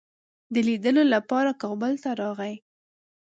د لیدلو لپاره کابل ته راغی.